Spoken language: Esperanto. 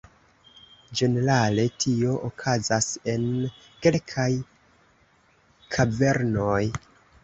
Ĝenerale tio okazas en kelkaj kavernoj.